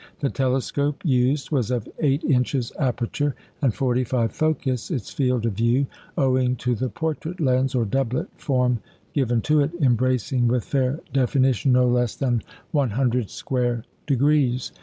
The telescope used was of eight inches aperture and forty five focus, its field of view owing to the "portrait lens" or "doublet" form given to it embracing with fair definition no less than one hundred square degrees.